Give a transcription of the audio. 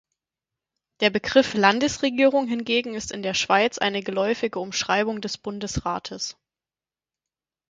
Der Begriff "Landesregierung" hingegen ist in der Schweiz eine geläufige Umschreibung des Bundesrates.